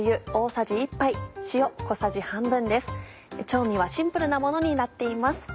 調味はシンプルなものになっています。